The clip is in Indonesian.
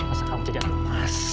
masa kamu jadi alat mas